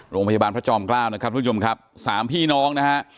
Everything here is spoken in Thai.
โรงพยาบาลพระจอมเกล้านะครับทุกผู้ชมครับสามพี่น้องนะฮะ